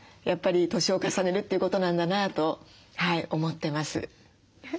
やっぱり年を重ねるっていうことなんだなと思ってます。